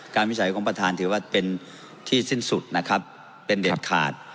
วิจัยของประธานถือว่าเป็นที่สิ้นสุดนะครับเป็นเด็ดขาด